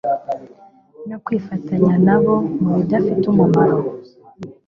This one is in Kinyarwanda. no kwifatanya na bo mu bidafite umumaro